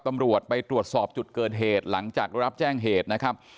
ตำรวจไปตรวจสอบจุดเกิดเหตุหลังจากได้รับแจ้งเหตุนะครับ